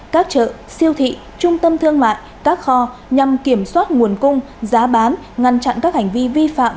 các chợ siêu thị trung tâm thương mại các kho nhằm kiểm soát nguồn cung giá bán ngăn chặn các hành vi vi phạm